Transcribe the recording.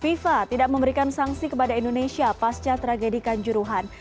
fifa tidak memberikan sanksi kepada indonesia pasca tragedikan juruhan